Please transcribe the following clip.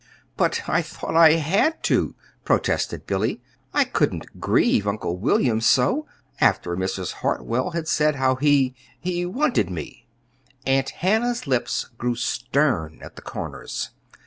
"But I thought I had to," protested Billy. "I couldn't grieve Uncle William so, after Mrs. Hartwell had said how he he wanted me." Aunt Hannah's lips grew stern at the corners.